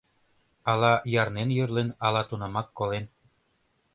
Ала ярнен йӧрлын, ала тунамак колен.